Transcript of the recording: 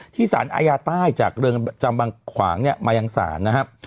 ที่ศาลอาญาไต้จากเรืองจำบังขวางมายังศาลนะครับ